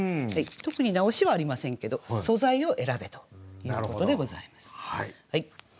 特に直しはありませんけど素材を選べということでございます。